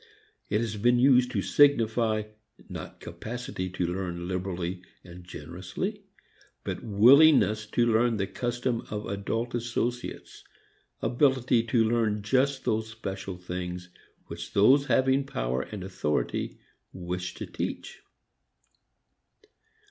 It has been used to signify not capacity to learn liberally and generously, but willingness to learn the customs of adult associates, ability to learn just those special things which those having power and authority wish to teach.